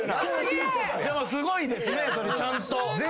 でもすごいですねちゃんと。